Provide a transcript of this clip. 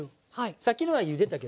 さっきのはゆでたけど。